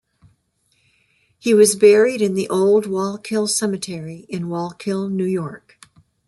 He was buried in the Old Wallkill Cemetery in Wallkill, New York.